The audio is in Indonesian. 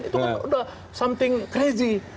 itu kan udah something crazy